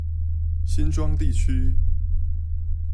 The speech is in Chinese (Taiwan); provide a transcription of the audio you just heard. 新莊地區